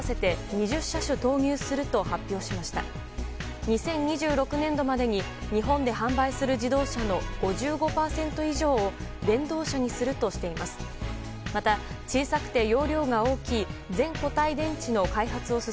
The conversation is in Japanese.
２０２６年度までに日本で販売する自動車の５５％以上を電動車にするとしています。